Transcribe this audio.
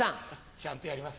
ちゃんとやります。